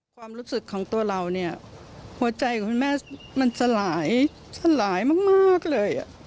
ความรู้สึกของตัวเราเนี่ยหัวใจของคุณแม่มันสลายสลายมากเลย